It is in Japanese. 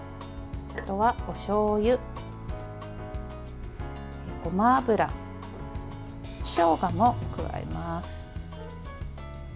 あとは、おしょうゆ、ごま油しょうがも加えます。